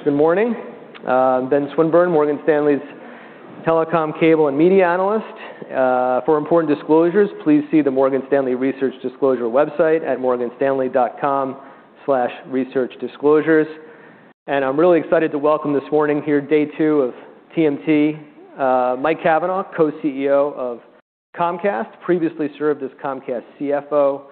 All right. Good morning. I'm Ben Swinburne, Morgan Stanley's telecom, cable, and media analyst. For important disclosures, please see the Morgan Stanley Research Disclosure website at morganstanley.com/researchdisclosures. I'm really excited to welcome this morning here day two of TMT. Mike Cavanagh, Co-CEO of Comcast, previously served as Comcast CFO,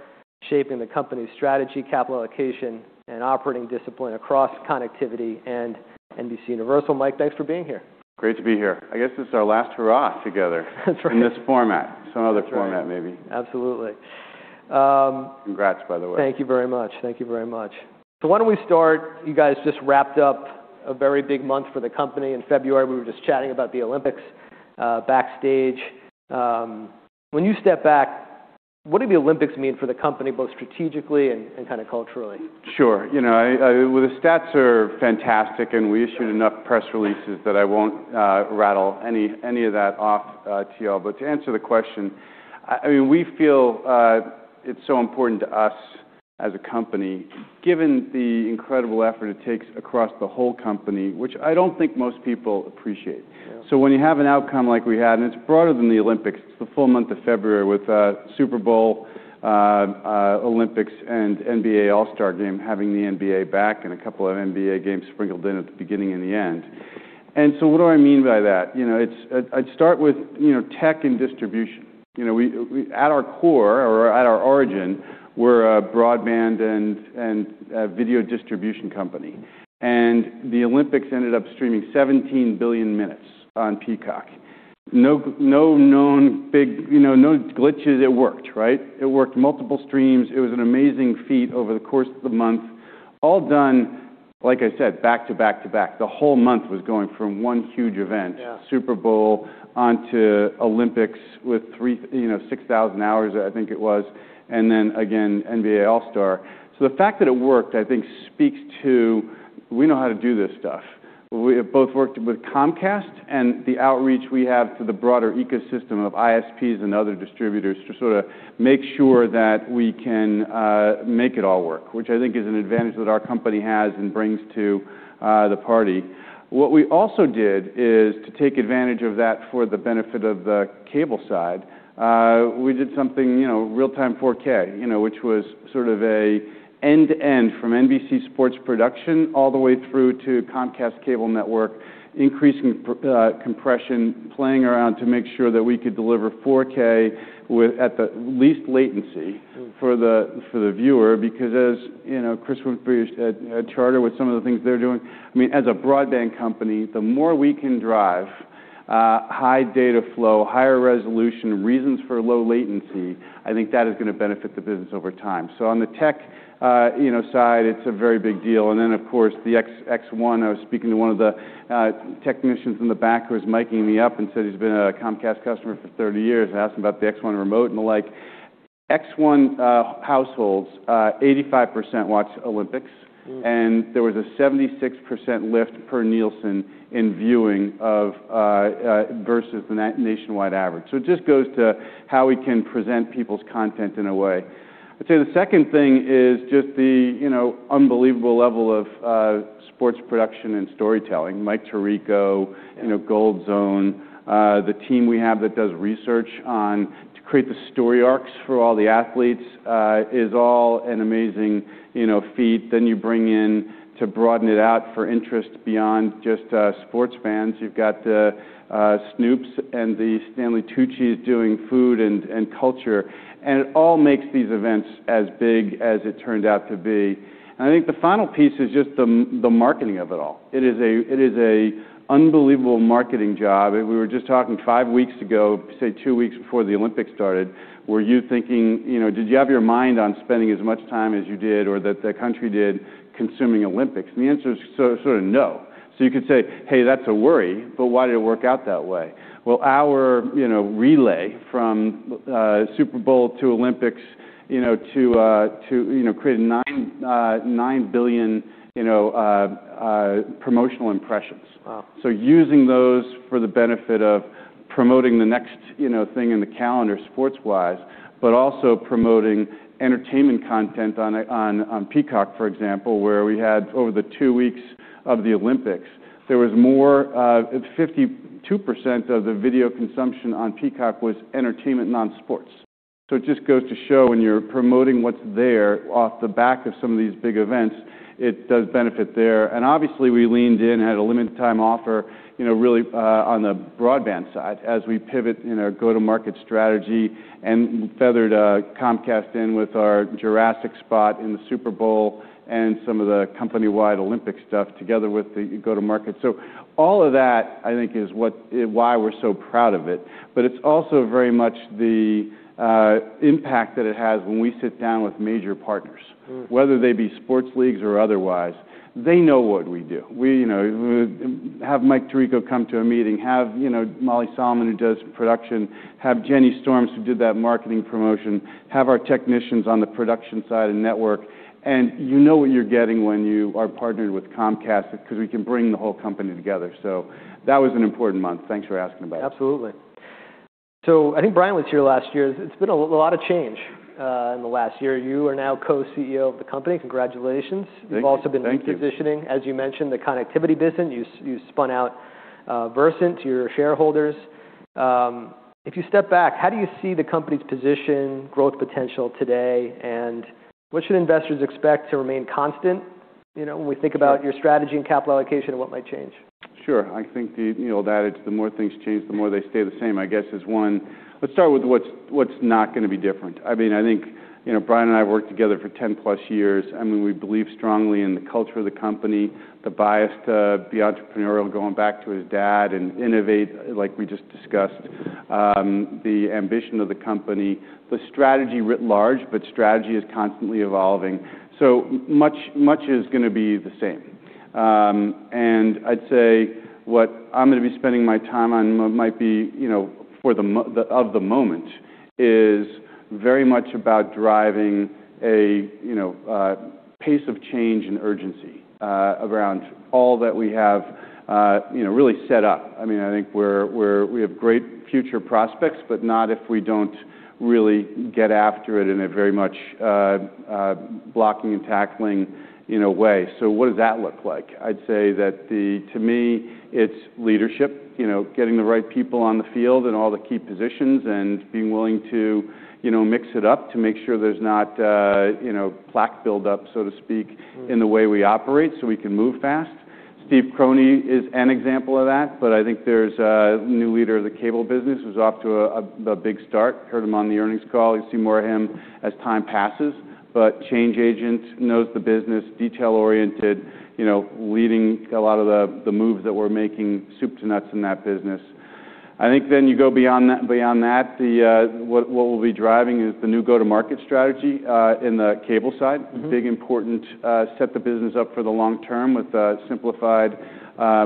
shaping the company's strategy, capital allocation, and operating discipline across connectivity and NBCUniversal. Mike, thanks for being here. Great to be here. I guess it's our last hurrah together. That's right. In this format. Some other format, maybe. Absolutely. Congrats, by the way. Thank you very much. Thank you very much. Why don't we start? You guys just wrapped up a very big month for the company in February. We were just chatting about the Olympics backstage. When you step back, what did the Olympics mean for the company, both strategically and kinda culturally? Sure. You know, I Well, the stats are fantastic, we issued enough press releases that I won't rattle any of that off to y'all. To answer the question, I mean, we feel it's so important to us as a company, given the incredible effort it takes across the whole company, which I don't think most people appreciate. Yeah. When you have an outcome like we had, and it's broader than the Olympics, it's the full month of February with Super Bowl, Olympics, and NBA All-Star Game, having the NBA back and a couple of NBA games sprinkled in at the beginning and the end. What do I mean by that? You know, I'd start with, you know, tech and distribution. You know, at our core or at our origin, we're a broadband and a video distribution company. The Olympics ended up streaming 17 billion minutes on Peacock. No known big... You know, no glitches. It worked, right? It worked multiple streams. It was an amazing feat over the course of the month, all done, like I said, back-to-back-to-back. The whole month was going from one huge event- Yeah... Super Bowl onto Olympics with you know, 6,000 hours, I think it was, and then again, NBA All-Star. The fact that it worked, I think, speaks to we know how to do this stuff. We have both worked with Comcast and the outreach we have to the broader ecosystem of ISPs and other distributors to sorta make sure that we can make it all work, which I think is an advantage that our company has and brings to the party. What we also did is to take advantage of that for the benefit of the cable side. We did something, you know, real-time 4K, you know, which was sort of an end-to-end from NBC Sports production all the way through to Comcast Cable network, increasing compression, playing around to make sure that we could deliver 4K with at the least latency. Mm-hmm... for the viewer because as, you know, Chris went through at Charter Communications with some of the things they're doing. I mean, as a broadband company, the more we can drive high data flow, higher resolution, reasons for low latency, I think that is gonna benefit the business over time. On the tech, you know, side, it's a very big deal. Of course, the X1, I was speaking to one of the technicians in the back who was miking me up and said he's been a Comcast customer for 30 years. I asked him about the X1 remote and the like. X1 households, 85% watched Olympics. Mm. There was a 76% lift per Nielsen in viewing of versus the nationwide average. It just goes to how we can present people's content in a way. I'd say the second thing is just the, you know, unbelievable level of sports production and storytelling. Mike Tirico. Yeah... you know, Gold Zone, the team we have that does research on to create the story arcs for all the athletes, is all an amazing, you know, feat. You bring in to broaden it out for interest beyond just sports fans. You've got, Snoops and the Stanley Tucci doing food and culture. It all makes these events as big as it turned out to be. I think the final piece is just the marketing of it all. It is a, it is an unbelievable marketing job. We were just talking five weeks ago, say two weeks before the Olympics started, were you thinking? You know, did you have your mind on spending as much time as you did or that the country did consuming Olympics? The answer is sort of no. You could say, "Hey, that's a worry," but why did it work out that way? Well, our, you know, relay from Super Bowl to Olympics, you know, to, you know, create 9 billion, you know, promotional impressions. Wow. Using those for the benefit of promoting the next, you know, thing in the calendar sports-wise, but also promoting entertainment content on, on Peacock, for example, where we had over the two weeks of the Olympics, there was more, 52% of the video consumption on Peacock was entertainment, non-sports. It just goes to show when you're promoting what's there off the back of some of these big events, it does benefit there. Obviously, we leaned in, had a limited-time offer, you know, really, on the broadband side as we pivot in our go-to-market strategy and feathered Comcast in with our Jurassic spot in the Super Bowl and some of the company-wide Olympic stuff together with the go-to-market. All of that, I think, is what, why we're so proud of it. It's also very much the impact that it has when we sit down with major partners. Mm. Whether they be sports leagues or otherwise, they know what we do. We, you know, have Mike Tirico come to a meeting, have, you know, Molly Solomon, who does production, have Jenny Storms, who did that marketing promotion, have our technicians on the production side and network. You know what you're getting when you are partnered with Comcast because we can bring the whole company together. That was an important month. Thanks for asking about it. Absolutely. I think Brian was here last year. It's been a lot of change in the last year. You are now Co-CEO of the company. Congratulations. Thank you. You've also been repositioning, as you mentioned, the connectivity business. You spun out Versant to your shareholders. If you step back, how do you see the company's position, growth potential today, and what should investors expect to remain constant, you know, when we think about your strategy and capital allocation and what might change? Sure. I think the, you know, that it's the more things change, the more they stay the same, I guess, is one. Let's start with what's not gonna be different. I mean, I think, you know, Brian and I worked together for 10-plus years, and we believe strongly in the culture of the company, the bias to be entrepreneurial, going back to his dad, and innovate like we just discussed, the ambition of the company, the strategy writ large, but strategy is constantly evolving. Much is gonna be the same. I'd say what I'm gonna be spending my time on might be, you know, for the moment, is very much about driving a, you know, a pace of change and urgency, around all that we have, you know, really set up. I mean, I think we're we have great future prospects, but not if we don't really get after it in a very much blocking and tackling, you know, way. What does that look like? I'd say that to me, it's leadership, you know, getting the right people on the field in all the key positions and being willing to, you know, mix it up to make sure there's not, you know, plaque buildup, so to speak, in the way we operate, so we can move fast. Steve Croney is an example of that. I think there's a new leader of the cable business who's off to a big start. Heard him on the earnings call. You'll see more of him as time passes. Change agent, knows the business, detail-oriented, you know, leading a lot of the moves that we're making soup to nuts in that business. I think you go beyond that, the what we'll be driving is the new go-to-market strategy in the cable side. Mm-hmm. Big, important, set the business up for the long term with simplified,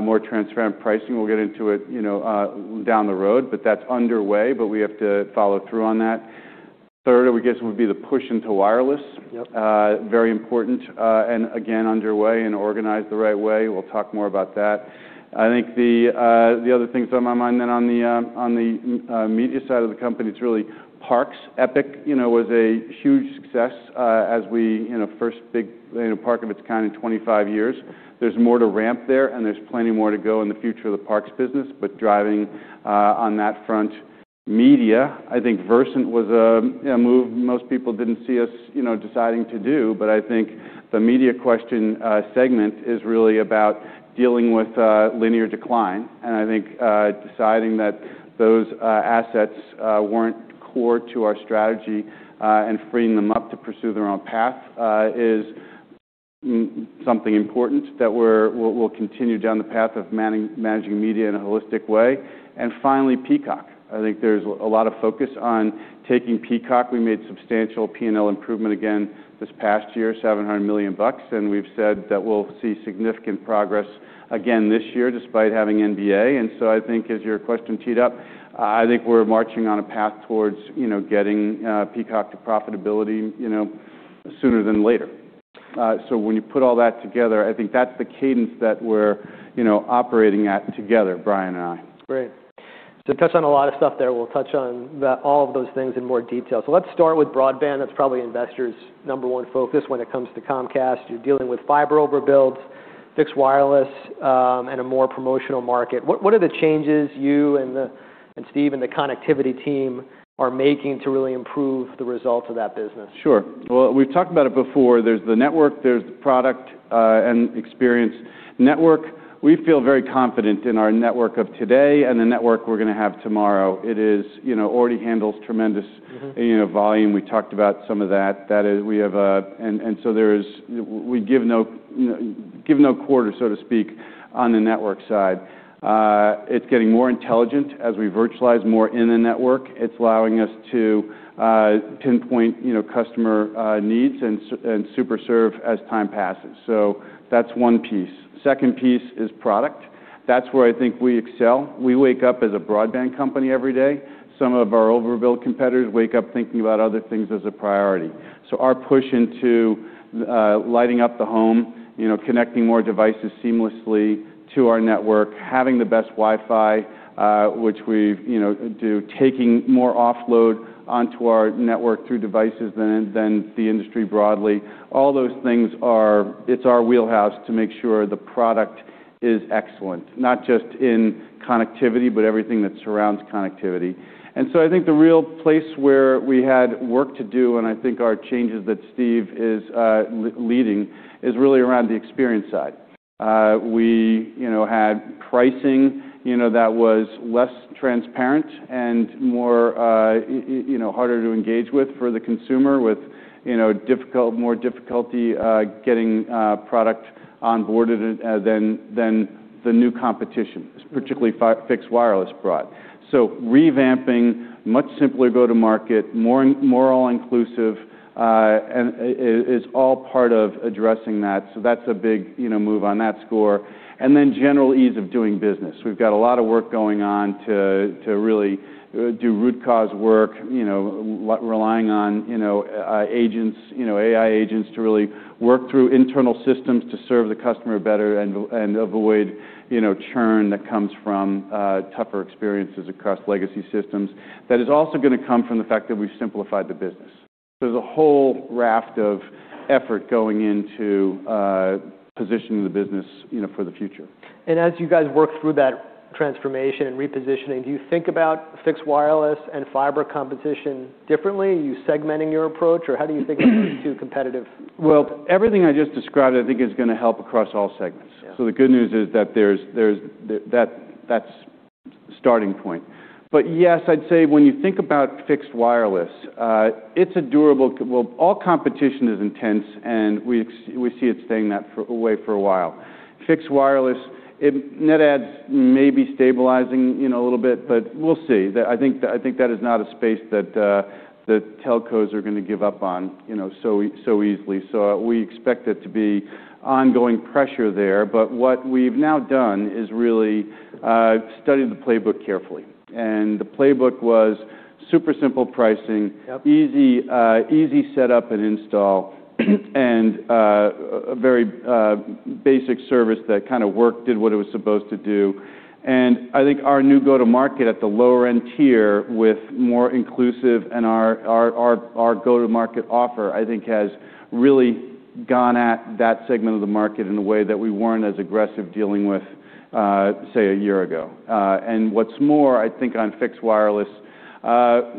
more transparent pricing. We'll get into it, you know, down the road, but that's underway, but we have to follow through on that. Third, I guess, would be the push into wireless. Yep. Very important, and again, underway and organized the right way. We'll talk more about that. I think the other things on my mind then on the media side of the company, it's really parks. Epic Universe, you know, was a huge success, as we, you know, first big, you know, park of its kind in 25 years. There's more to ramp there, and there's plenty more to go in the future of the parks business, but driving on that front. Media, I think Versant was a move most people didn't see us, you know, deciding to do, but I think the media question, segment is really about dealing with linear decline. I think deciding that those assets weren't core to our strategy and freeing them up to pursue their own path is something important that we'll continue down the path of managing media in a holistic way. Finally, Peacock. I think there's a lot of focus on taking Peacock. We made substantial P&L improvement again this past year, $700 million, and we've said that we'll see significant progress again this year despite having NBA. I think as your question teed up, I think we're marching on a path towards, you know, getting Peacock to profitability, you know, sooner than later. When you put all that together, I think that's the cadence that we're, you know, operating at together, Brian and I. Great. You touched on a lot of stuff there. We'll touch on the, all of those things in more detail. Let's start with broadband. That's probably investors' number one focus when it comes to Comcast. You're dealing with fiber overbuilds, fixed wireless, and a more promotional market. What are the changes you and Steve and the connectivity team are making to really improve the results of that business? Sure. Well, we've talked about it before. There's the network, there's the product, and experience. Network, we feel very confident in our network of today and the network we're gonna have tomorrow. It is, you know, already handles. Mm-hmm... you know, volume. We talked about some of that. That is, we have. So there's. We give no, you know, give no quarter, so to speak, on the network side. It's getting more intelligent as we virtualize more in the network. It's allowing us to pinpoint, you know, customer needs and super-serve as time passes. That's one piece. Second piece is product. That's where I think we excel. We wake up as a broadband company every day. Some of our overbuild competitors wake up thinking about other things as a priority. Our push into lighting up the home, you know, connecting more devices seamlessly to our network, having the best Wi-Fi, which we've, you know, do, taking more offload onto our network through devices than the industry broadly. All those things are... it's our wheelhouse to make sure the product is excellent, not just in connectivity, but everything that surrounds connectivity. I think the real place where we had work to do, and I think our changes that Steve is leading, is really around the experience side. We, you know, had pricing, you know, that was less transparent and more, you know, harder to engage with for the consumer with, you know, difficult, more difficulty getting product onboarded than the new competition, particularly fixed wireless broadband. Revamping much simpler go-to-market, more all-inclusive, and is all part of addressing that. That's a big, you know, move on that score. General ease of doing business. We've got a lot of work going on to really do root cause work, you know, relying on, you know, agents, you know, AI agents to really work through internal systems to serve the customer better and avoid, you know, churn that comes from tougher experiences across legacy systems. That is also gonna come from the fact that we've simplified the business. There's a whole raft of effort going into positioning the business, you know, for the future. As you guys work through that transformation and repositioning, do you think about fixed wireless and fiber competition differently? Are you segmenting your approach, or how do you think of those two? Well, everything I just described I think is going to help across all segments. Yeah. The good news is that there's that's starting point. Yes, I'd say when you think about fixed wireless, it's well, all competition is intense, and we see it staying that a way for a while. Fixed wireless, net adds may be stabilizing, you know, a little bit, but we'll see. I think that is not a space that the telcos are gonna give up on, you know, so easily. We expect it to be ongoing pressure there. What we've now done is really study the playbook carefully. The playbook was super simple pricing. Yep. Easy, easy setup and install, and a very basic service that kind of worked, did what it was supposed to do. I think our new go-to-market at the lower-end tier with more inclusive and our go-to-market offer, I think has really gone at that segment of the market in a way that we weren't as aggressive dealing with, say, a year ago. What's more, I think on fixed wireless,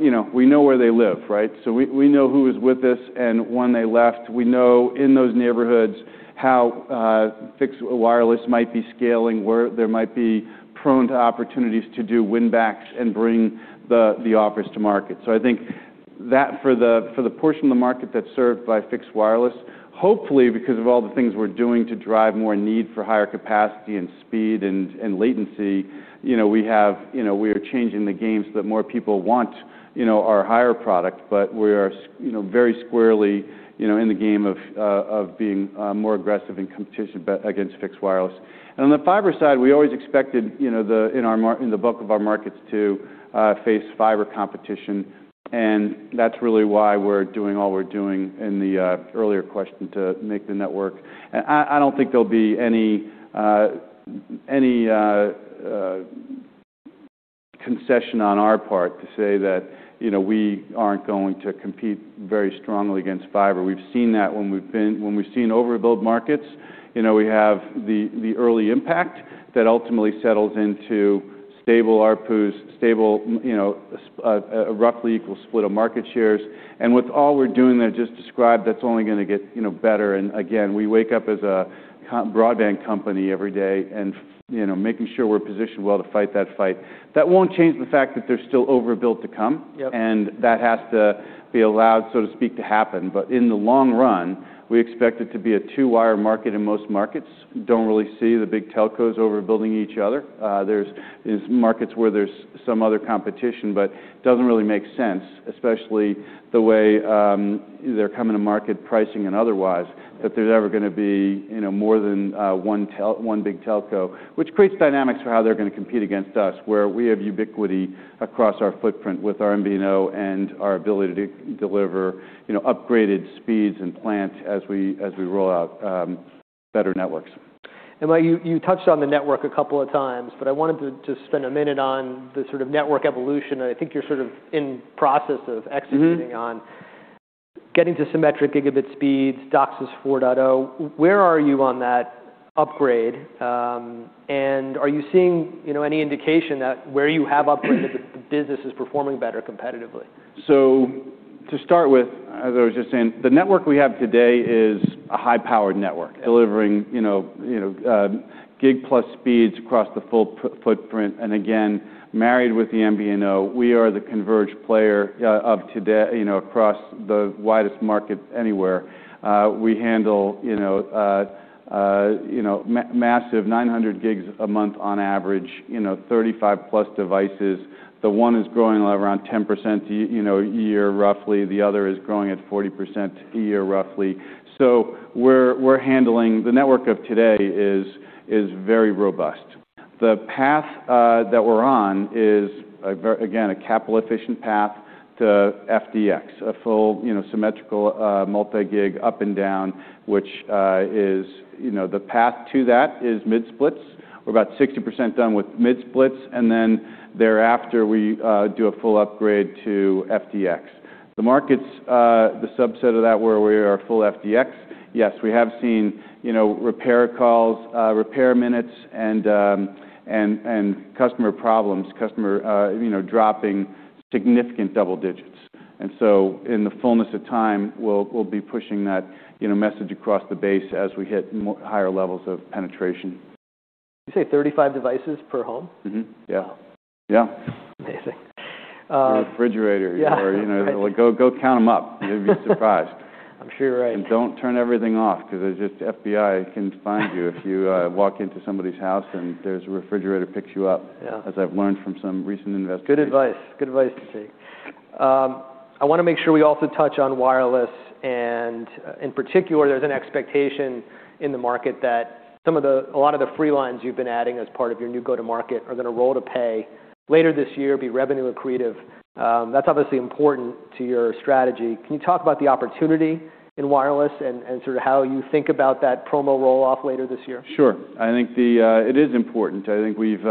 you know, we know where they live, right? We, we know who is with us and when they left. We know in those neighborhoods how fixed wireless might be scaling, where there might be prone to opportunities to do win-backs and bring the offers to market. I think that for the portion of the market that's served by fixed wireless, hopefully, because of all the things we're doing to drive more need for higher capacity and speed and latency, you know, we have, you know, we are changing the games that more people want, you know, our higher product, but we are, you know, very squarely, you know, in the game of being more aggressive in competition against fixed wireless. On the fiber side, we always expected, you know, in the bulk of our markets to face fiber competition, and that's really why we're doing all we're doing in the earlier question to make the network. I don't think there'll be any concession on our part to say that, you know, we aren't going to compete very strongly against fiber. We've seen that when we've seen overbuild markets. You know, we have the early impact that ultimately settles into stable ARPU, stable, you know, a roughly equal split of market shares. With all we're doing that I just described, that's only gonna get, you know, better. Again, we wake up as a broadband company every day and, you know, making sure we're positioned well to fight that fight. That won't change the fact that they're still overbuilt to come. Yep. That has to be allowed, so to speak, to happen. In the long run, we expect it to be a two-wire market in most markets. Don't really see the big telcos overbuilding each other. There's markets where there's some other competition, but it doesn't really make sense, especially the way they're coming to market pricing and otherwise, that there's ever gonna be, you know, more than one big telco, which creates dynamics for how they're gonna compete against us, where we have ubiquity across our footprint with our MVNO and our ability to deliver, you know, upgraded speeds and plant as we roll out better networks. Mike, you touched on the network a couple of times, I wanted to spend a minute on the sort of network evolution that I think you're sort of in process of executing on. Mm-hmm. Getting to symmetric gigabit speeds, DOCSIS 4.0, where are you on that upgrade? Are you seeing, you know, any indication that where you have upgraded, the business is performing better competitively? To start with, as I was just saying, the network we have today is a high-powered network. Yeah. Delivering, you know, gig-plus speeds across the full footprint. Again, married with the MVNO, we are the converged player, you know, across the widest market anywhere. We handle, you know, massive 900 Gb a month on average, you know, 35+ devices. The one is growing around 10% a year roughly. The other is growing at 40% a year roughly. We're handling. The network of today is very robust. The path that we're on is again, a capital-efficient path to FDX, a full, you know, symmetrical, multi-gig up and down, which is, you know, the path to that is mid-splits. We're about 60% done with mid-splits, thereafter, we do a full upgrade to FDX. The markets, the subset of that where we are full FDX, yes, we have seen, you know, repair calls, repair minutes and customer problems, you know, dropping significant double digits. In the fullness of time, we'll be pushing that, you know, message across the base as we hit higher levels of penetration. You say 35 devices per home? Mm-hmm. Yeah. Wow. Yeah. Amazing. Your refrigerator- Yeah. You know, go count them up. You'd be surprised. I'm sure you're right. Don't turn everything off because it's just FBI can find you if you walk into somebody's house, and there's a refrigerator picks you up. Yeah. As I've learned from some recent investigations. Good advice. Good advice to take. I wanna make sure we also touch on wireless. In particular, there's an expectation in the market that a lot of the free lines you've been adding as part of your new go-to-market are gonna roll to pay later this year, be revenue accretive. That's obviously important to your strategy. Can you talk about the opportunity in wireless and sort of how you think about that promo roll-off later this year? Sure. I think the, it is important. I think we've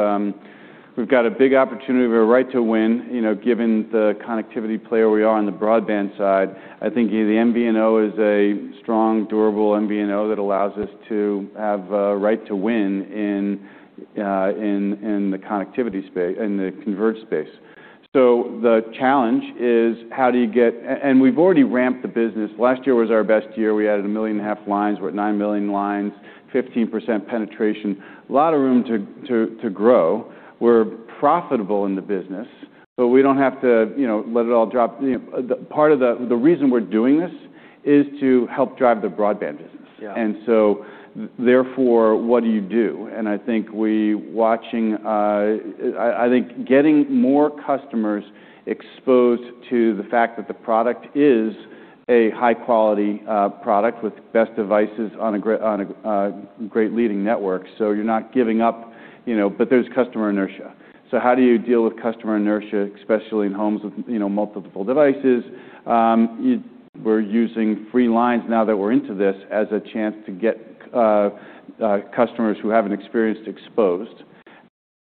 got a big opportunity. We have a right to win, you know, given the connectivity player we are on the broadband side. I think the MVNO is a strong, durable MVNO that allows us to have a right to win in the connectivity space, in the convert space. The challenge is how do you get. We've already ramped the business. Last year was our best year. We added 1.5 million lines. We're at 9 million lines, 15% penetration. A lot of room to grow. We're profitable in the business, but we don't have to, you know, let it all drop. You know, part of the reason we're doing this is to help drive the broadband business. Yeah. Therefore, what do you do? I think we watching... I think getting more customers exposed to the fact that the product is a high-quality product with best devices on a great, on a great leading network, so you're not giving up, you know. There's customer inertia. How do you deal with customer inertia, especially in homes with, you know, multiple devices? We're using free lines now that we're into this as a chance to get customers who haven't experienced exposed.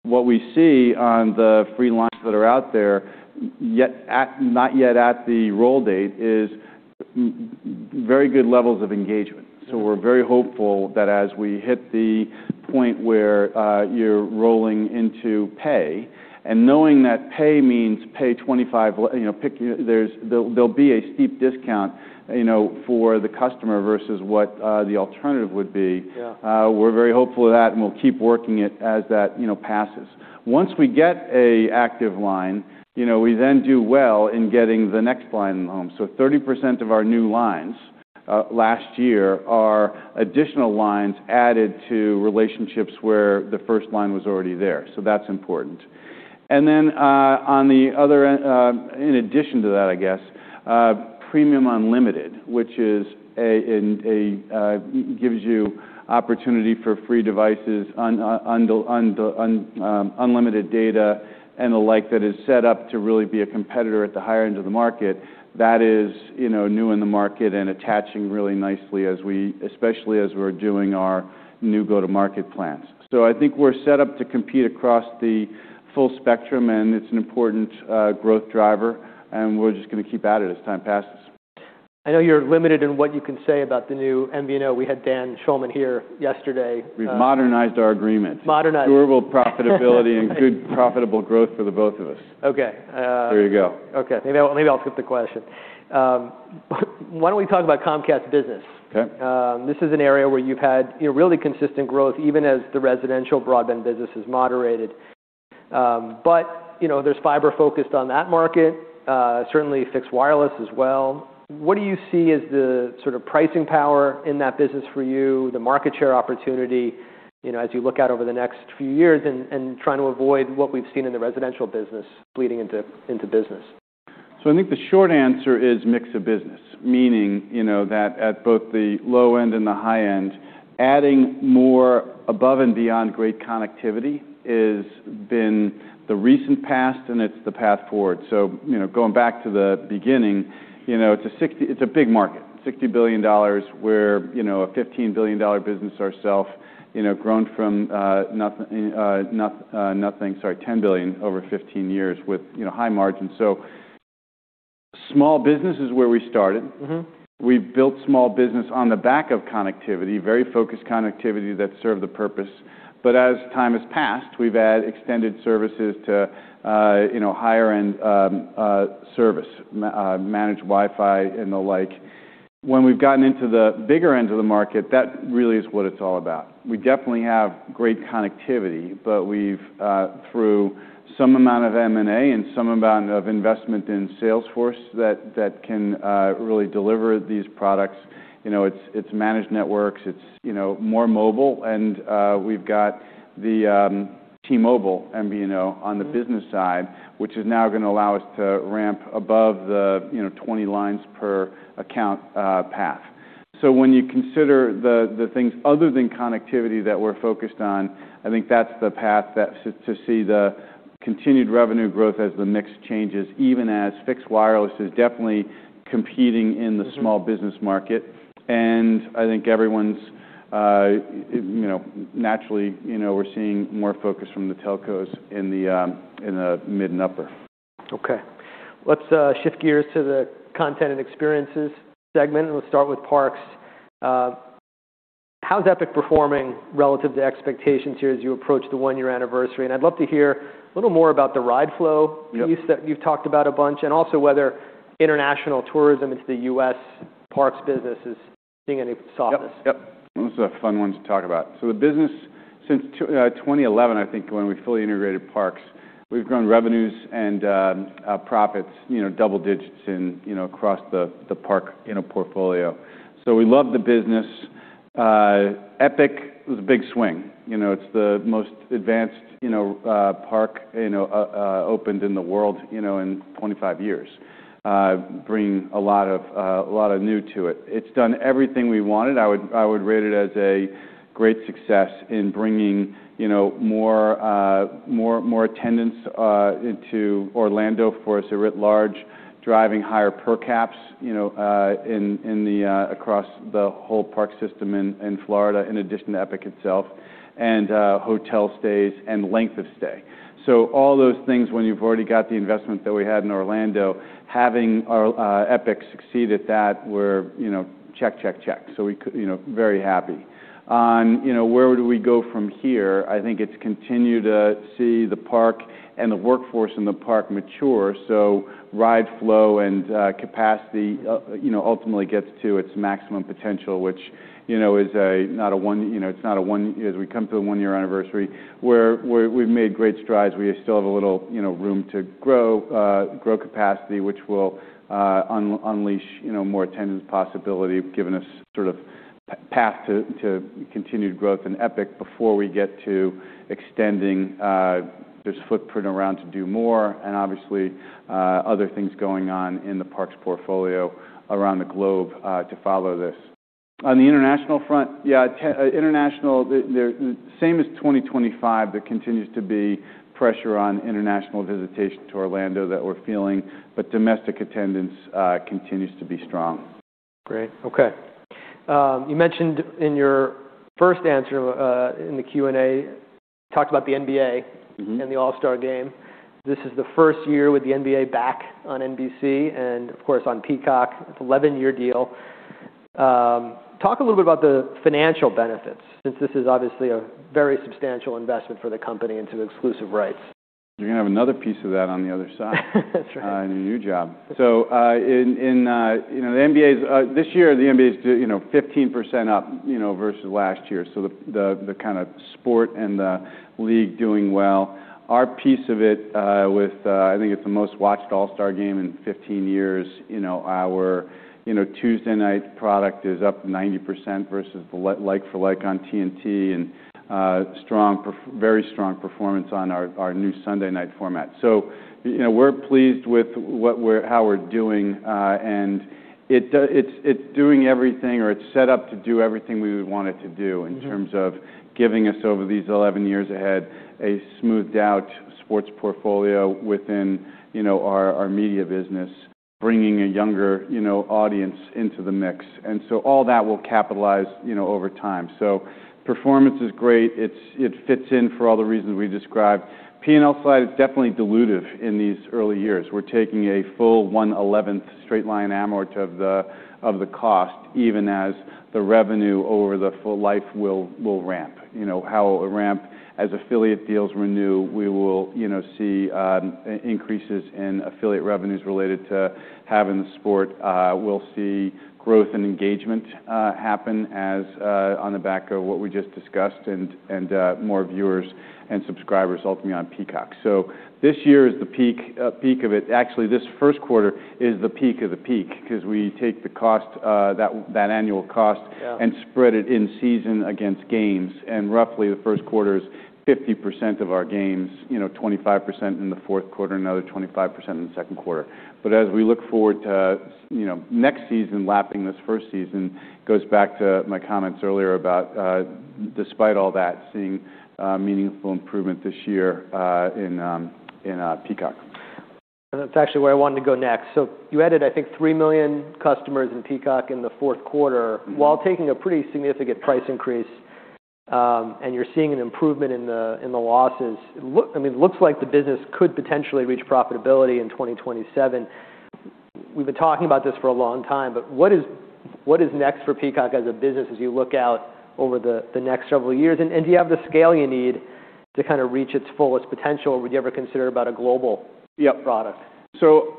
What we see on the free lines that are out there, not yet at the roll date, is very good levels of engagement. Mm-hmm. We're very hopeful that as we hit the point where you're rolling into pay and knowing that pay means pay $25, you know, there'll be a steep discount, you know, for the customer versus what the alternative would be. Yeah. We're very hopeful of that. We'll keep working it as that, you know, passes. Once we get a active line, you know, we then do well in getting the next line in the home. 30% of our new lines last year are additional lines added to relationships where the first line was already there. That's important. On the other end, in addition to that, I guess, Premium Unlimited, which is a gives you opportunity for free devices, unlimited data and the like that is set up to really be a competitor at the higher end of the market. That is, you know, new in the market and attaching really nicely as we especially as we're doing our new go-to-market plans. I think we're set up to compete across the full spectrum, and it's an important growth driver, and we're just gonna keep at it as time passes. I know you're limited in what you can say about the new MVNO. We had Dan Schulman here yesterday. We've modernized our agreement. Modernized. Durable profitability and good profitable growth for the both of us. Okay. There you go. Okay. Maybe I'll skip the question. Why don't we talk about Comcast Business? Okay. This is an area where you've had, you know, really consistent growth, even as the residential broadband business has moderated. You know, there's fiber focused on that market, certainly fixed wireless as well. What do you see as the sort of pricing power in that business for you, the market share opportunity, you know, as you look out over the next few years and trying to avoid what we've seen in the residential business bleeding into business? I think the short answer is mix of business, meaning, you know, that at both the low end and the high end, adding more above and beyond great connectivity is been the recent past, and it's the path forward. Going back to the beginning, you know, It's a big market, $60 billion, where, you know, a $15 billion business ourself, you know, grown from nothing, sorry, $10 billion over 15 years with, you know, high margins. Small business is where we started. Mm-hmm. We built small business on the back of connectivity, very focused connectivity that served the purpose. As time has passed, we've added extended services to, you know, higher-end, service, managed Wi-Fi and the like. When we've gotten into the bigger end of the market, that really is what it's all about. We definitely have great connectivity, but we've, through some amount of M&A and some amount of investment in sales force that can really deliver these products. You know, it's managed networks, it's, you know, more mobile, and, we've got the T-Mobile MVNO on the business side, which is now gonna allow us to ramp above the, you know, 20-lines-per-account path. When you consider the things other than connectivity that we're focused on, I think that's the path to see the continued revenue growth as the mix changes, even as fixed wireless is definitely competing in the small business market. I think everyone's, you know, naturally, you know, we're seeing more focus from the telcos in the, in the mid and upper. Okay. Let's shift gears to the content and experiences segment, let's start with Parks. How's Epic performing relative to expectations here as you approach the one-year anniversary? I'd love to hear a little more about the ride flow piece that you've talked about a bunch, and also whether international tourism into the U.S. Parks business is seeing any softness. Yep. Yep. Those are fun ones to talk about. The business since 2011, I think when we fully integrated Parks, we've grown revenues and profits, you know, double digits in, you know, across the Park, you know, portfolio. We love the business. Epic was a big swing. You know, it's the most advanced, you know, park, you know, opened in the world, you know, in 25 years. Bring a lot of new to it. It's done everything we wanted. I would rate it as a great success in bringing, you know, more attendance into Orlando for us at large, driving higher per caps, you know, in the across the whole park system in Florida, in addition to Epic itself and hotel stays and length of stay. All those things, when you've already got the investment that we had in Orlando, having Epic succeed at that were, you know, check, check. We, you know, very happy. You know, where do we go from here? I think it's continue to see the park and the workforce in the park mature. Ride flow and capacity, you know, ultimately gets to its maximum potential, which, you know, is a, not a one as we come to the one-year anniversary, we've made great strides. We still have a little, you know, room to grow capacity, which will unleash, you know, more attendance possibility, giving us sort of path to continued growth in Epic before we get to extending this footprint around to do more and obviously, other things going on in the parks portfolio around the globe to follow this. On the international front, international, the same as 2025, there continues to be pressure on international visitation to Orlando that we're feeling. Domestic attendance continues to be strong. Great. Okay. you mentioned in your first answer, in the Q&A, talked about the NBA. Mm-hmm ...and the All-Star Game. This is the first year with the NBA back on NBC and of course, on Peacock. It's 11-year deal. Talk a little bit about the financial benefits since this is obviously a very substantial investment for the company into exclusive rights. You're gonna have another piece of that on the other side. That's right. ...in your new job. In, you know, the NBA's, this year, the NBA's, you know, 15% up, you know, versus last year. The kind of sport and the league doing well. Our piece of it, with, I think it's the most-watched All-Star Game in 15 years. You know, our, you know, Tuesday night product is up 90% versus the like for like on TNT and very strong performance on our new Sunday night format. You know, we're pleased with how we're doing, and it's doing everything or it's set up to do everything we would want it to do. Mm-hmm ...in terms of giving us over these 11 years ahead, a smoothed out sports portfolio within, you know, our media business, bringing a younger, you know, audience into the mix. All that will capitalize, you know, over time. Performance is great. It fits in for all the reasons we described. P&L side is definitely dilutive in these early years. We're taking a full one-eleventh straight-line amort of the cost, even as the revenue over the full life will ramp. You know how it'll ramp, as affiliate deals renew, we will, you know, see increases in affiliate revenues related to having the sport. We'll see growth and engagement happen as on the back of what we just discussed and more viewers and subscribers ultimately on Peacock. This year is the peak of it. Actually, this first quarter is the peak of the peak because we take the cost, that annual cost. Yeah ...and spread it in season against gains. Roughly, the first quarter is 50% of our games, you know, 25% in the fourth quarter, another 25% in the second quarter. As we look forward to, you know, next season lapping this first season, goes back to my comments earlier about despite all that, seeing meaningful improvement this year in in Peacock. That's actually where I wanted to go next. You added, I think 3 million customers in Peacock in the fourth quarter... Mm-hmm ...while taking a pretty significant price increase, and you're seeing an improvement in the losses. Look, I mean, looks like the business could potentially reach profitability in 2027. We've been talking about this for a long time. What is next for Peacock as a business as you look out over the next several years? Do you have the scale you need to kinda reach its fullest potential? Would you ever consider about a global- Yep ...product?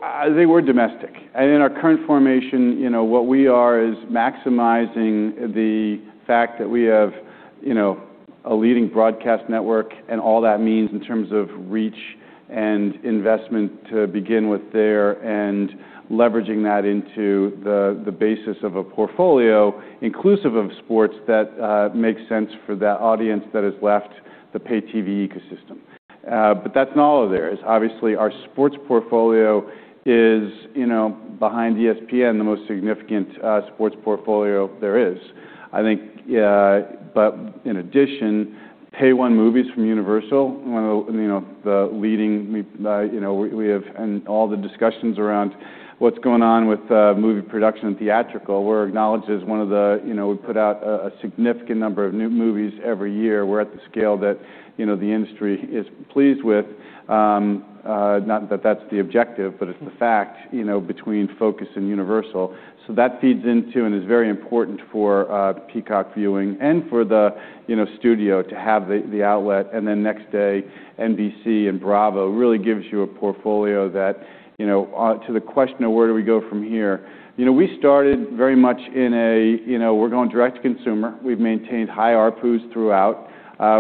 I think we're domestic. In our current formation, you know, what we are is maximizing the fact that we have, you know, a leading broadcast network and all that means in terms of reach and investment to begin with there, and leveraging that into the basis of a portfolio inclusive of sports that makes sense for that audience that has left the paid TV ecosystem. That's not all there is. Obviously, our sports portfolio is, you know, behind ESPN, the most significant sports portfolio there is. I think. In addition, pay-one movies from Universal, one of the, you know, the leading, you know, we have and all the discussions around what's going on with movie production and theatrical. We're acknowledged as one of the, you know, we put out a significant number of new movies every year. We're at the scale that, you know, the industry is pleased with, not that that's the objective, but it's the fact, you know, between Focus Features and Universal Pictures. That feeds into and is very important for Peacock viewing and for the, you know, studio to have the outlet. Next day, NBC and Bravo really gives you a portfolio that, you know, to the question of where do we go from here? You know, we started very much in a, you know, we're going direct-to-consumer. We've maintained high ARPU throughout.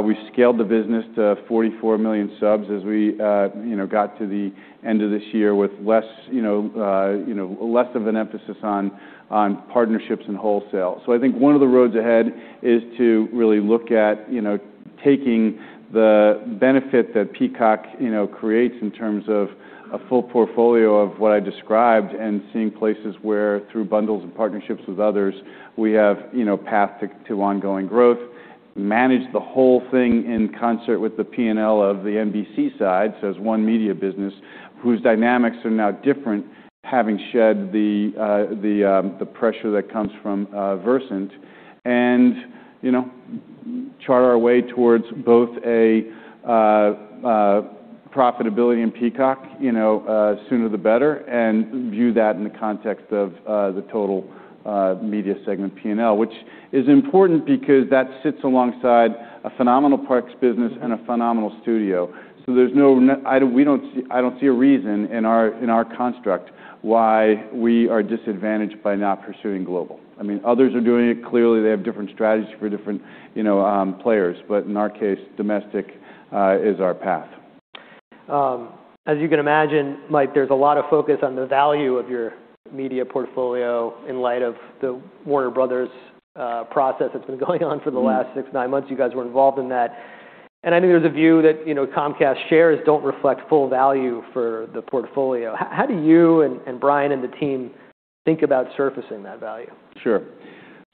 We've scaled the business to 44 million subs as we, you know, got to the end of this year with less, you know, less of an emphasis on partnerships and wholesale. I think one of the roads ahead is to really look at, you know, taking the benefit that Peacock, you know, creates in terms of a full portfolio of what I described and seeing places where through bundles and partnerships with others, we have, you know, path to ongoing growth. Manage the whole thing in concert with the P&L of the NBC side, so as one media business whose dynamics are now different, having shed the pressure that comes from Versant. you know, chart our way towards both a profitability in Peacock, you know, the sooner the better, and view that in the context of the total media segment P&L. Which is important because that sits alongside a phenomenal parks business and a phenomenal studio. There's no I don't see a reason in our, in our construct why we are disadvantaged by not pursuing global. I mean, others are doing it. Clearly, they have different strategies for different, you know, players. In our case, domestic, is our path. As you can imagine, Mike, there's a lot of focus on the value of your media portfolio in light of the Warner Bros. process that's been going on for the last six, nine months. You guys were involved in that. I know there's a view that, you know, Comcast shares don't reflect full value for the portfolio. How do you and Brian and the team think about surfacing that value? Sure.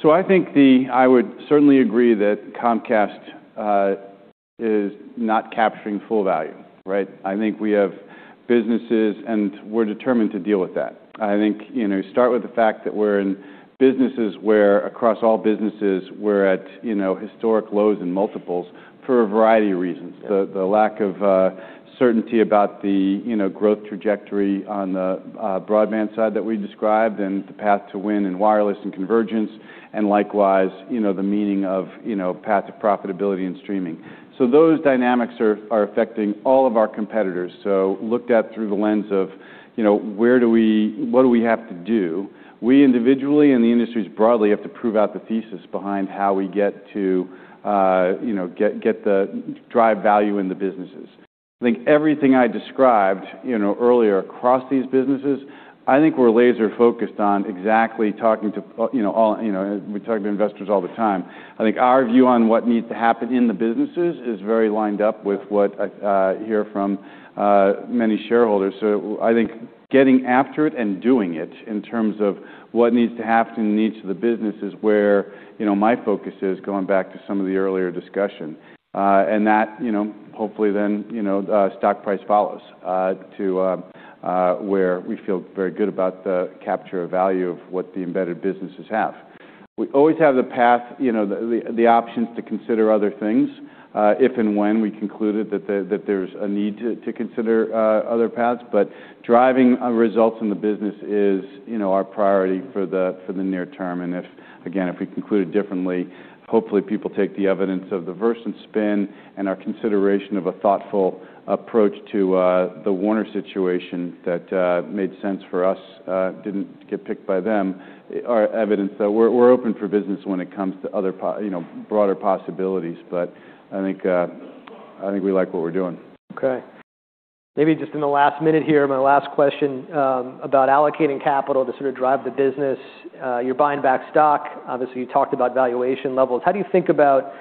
I would certainly agree that Comcast is not capturing full value, right? I think we have businesses and we're determined to deal with that. I think, you know, start with the fact that we're in businesses where across all businesses we're at, you know, historic lows and multiples for a variety of reasons. The lack of certainty about the, you know, growth trajectory on the broadband side that we described and the path to win in wireless and convergence, and likewise, you know, the meaning of, you know, path to profitability and streaming. Those dynamics are affecting all of our competitors. Looked at through the lens of, you know, what do we have to do? We individually, in the industries broadly, have to prove out the thesis behind how we get to, you know, get the drive value in the businesses. I think everything I described, you know, earlier across these businesses, I think we're laser-focused on exactly talking to, you know, all, you know, we talk to investors all the time. I think our view on what needs to happen in the businesses is very lined up with what I hear from many shareholders. I think getting after it and doing it in terms of what needs to happen in each of the businesses where, you know, my focus is going back to some of the earlier discussion. That, you know, hopefully then, you know, the stock price follows, to where we feel very good about the capture of value of what the embedded businesses have. We always have the path, you know, the options to consider other things, if and when we concluded that there, that there's a need to consider other paths. Driving results in the business is, you know, our priority for the near term. If, again, if we conclude it differently, hopefully people take the evidence of the Versant spin and our consideration of a thoughtful approach to the Warner situation that made sense for us, didn't get picked by them, are evidence that we're open for business when it comes to other, you know, broader possibilities. I think we like what we're doing. Okay. Maybe just in the last minute here, my last question, about allocating capital to sort of drive the business. You're buying back stock. Obviously, you talked about valuation levels. How do you think about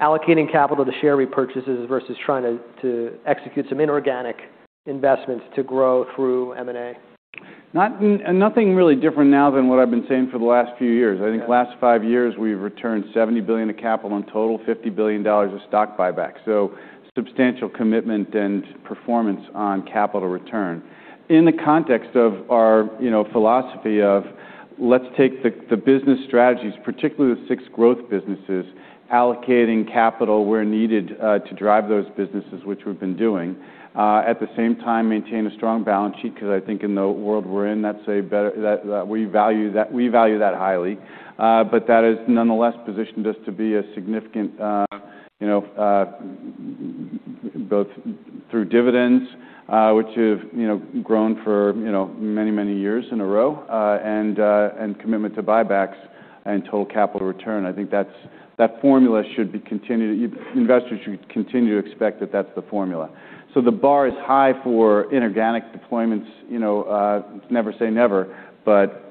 allocating capital to share repurchases versus trying to execute some inorganic investments to grow through M&A? Nothing really different now than what I've been saying for the last five years. I think the last five years, we've returned $70 billion of capital in total, $50 billion of stock buybacks. Substantial commitment and performance on capital return. In the context of our, you know, philosophy of let's take the business strategies, particularly the six growth businesses, allocating capital where needed to drive those businesses, which we've been doing. At the same time, maintain a strong balance sheet, 'cause I think in the world we're in, that we value that, we value that highly. That has nonetheless positioned us to be a significant, you know, both through dividends, which have, you know, grown for, you know, many years in a row, and commitment to buybacks and total capital return. I think that's, that formula should be continued. Investors should continue to expect that that's the formula. The bar is high for inorganic deployments, you know, never say never, but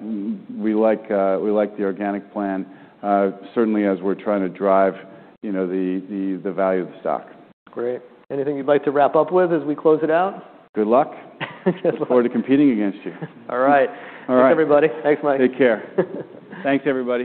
we like the organic plan, certainly as we're trying to drive, you know, the value of the stock. Great. Anything you'd like to wrap up with as we close it out? Good luck. Good luck. Look forward to competing against you. All right. All right. Thanks, everybody. Thanks, Mike. Take care. Thanks, everybody.